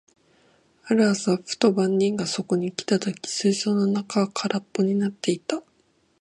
ある朝、ふと番人がそこに来た時、水槽の中は空っぽになっていた。